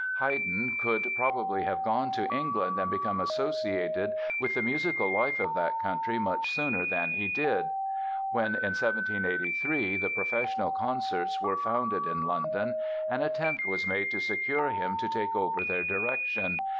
Haydn could probably have gone to England and become associated with the musical life of that country much sooner than he did. When in 1783 the Professional Concerts were founded in London an attempt was made to secure him to take over their direction.